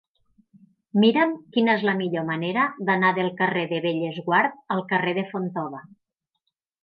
Mira'm quina és la millor manera d'anar del carrer de Bellesguard al carrer de Fontova.